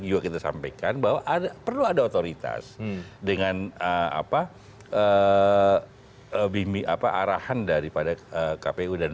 juga kita sampaikan bahwa ada perlu ada otoritas dengan apa bimbi apa arahan daripada kpu dan